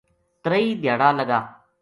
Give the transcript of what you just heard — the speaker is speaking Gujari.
تریئی دھیاڑا لگا۔